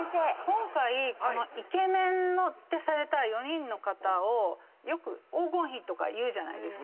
今回このイケメンってされた４人の方をよく黄金比とかいうじゃないですか。